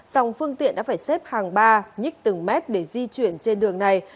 dòng phương tiện đã phải xếp hàng ba nhích từng mét để di chuyển trên đường này